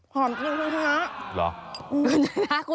ขอบพิธี